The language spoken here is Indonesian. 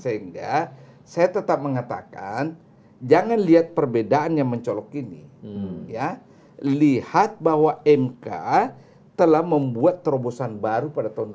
sehingga saya tetap mengatakan jangan lihat perbedaan yang mencolok ini ya lihat bahwa mk telah membuat terobosan baru pada tahun dua ribu sembilan